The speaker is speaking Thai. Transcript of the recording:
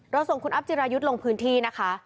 ส่งคุณอัพจิรายุทธ์ลงพื้นที่นะคะ